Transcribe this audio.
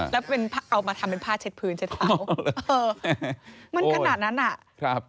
แล้วเป็นเอามาทำเป็นผ้าเช็ดพื้นเช็ดเท้าเออมันขนาดนั้นอ่ะครับ